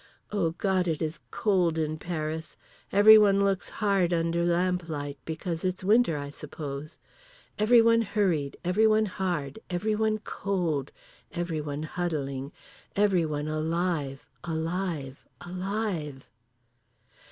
O God it is cold in Paris. Everyone looks hard under lamplight, because it's winter I suppose. Everyone hurried. Everyone hard. Everyone cold. Everyone huddling. Everyone alive; alive: alive.